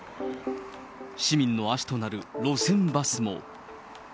市民の足となる路線バスも。